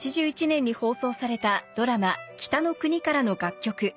１９８１年に放送されたドラマ『北の国から』の楽曲